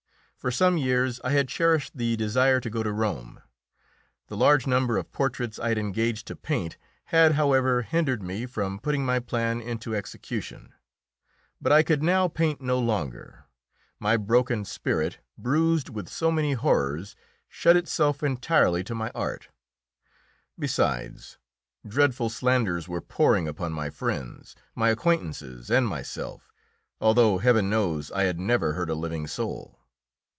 For some years I had cherished the desire to go to Rome. The large number of portraits I had engaged to paint had, however, hindered me from putting my plan into execution. But I could now paint no longer; my broken spirit, bruised with so many horrors, shut itself entirely to my art. Besides, dreadful slanders were pouring upon my friends, my acquaintances and myself, although, Heaven knows, I had never hurt a living soul.